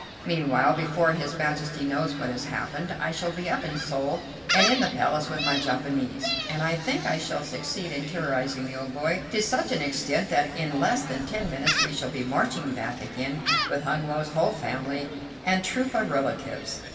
Meanwhile, before his Majesty knows what has happened, I shall be up in Seoul and in the Palace with my Japanese, and I think I shall succeed in terrorizing the old boy to such an extent that in less than ten minutes we shall be marching back again with Hun Woe's whole family and troop of relatives.